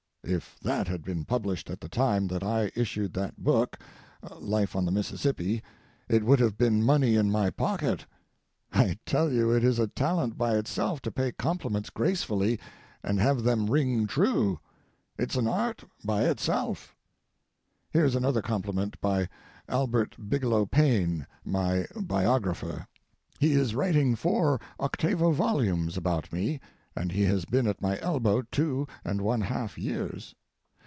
If that had been published at the time that I issued that book [Life on the Mississippi], it would have been money in my pocket. I tell you, it is a talent by itself to pay compliments gracefully and have them ring true. It's an art by itself. Here is another compliment by Albert Bigelow Paine, my biographer. He is writing four octavo volumes about me, and he has been at my elbow two and one half years.